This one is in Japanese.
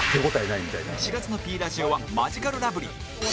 ４月の Ｐ ラジオはマヂカルラブリー